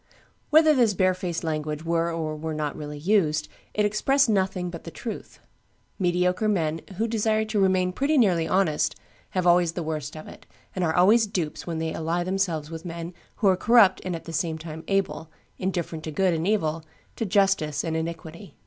Whether this barefaced language were or were not really used, it expressed nothing but the truth: mediocre men, who desire to remain pretty nearly honest, have always the worst of it, and are always dupes when they ally themselves with men who are corrupt and at the same time able, indifferent to good and evil, to justice and iniquity.